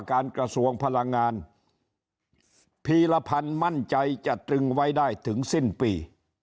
กระทรวงพลังงานพีรพันธ์มั่นใจจะตรึงไว้ได้ถึงสิ้นปี